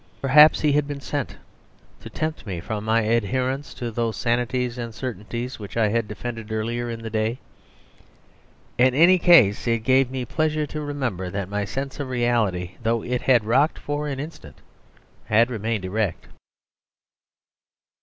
Perhaps he had been sent to tempt me from my adherence to those sanities and certainties which I had defended earlier in the day. In any case it gave me pleasure to remember that my sense of reality, though it had rocked for an instant, had remained erect. VI.